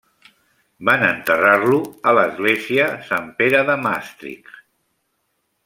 Van enterrar-lo a l'església Sant Pere de Maastricht.